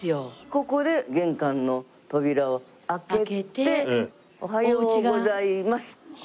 ここで玄関の扉を開けておはようございますって言って。